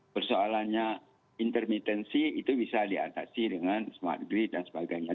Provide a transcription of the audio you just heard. persoalannya intermitensi itu bisa diatasi dengan smart grid dan sebagainya